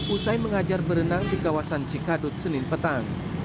usai mengajar berenang di kawasan cikadut senin petang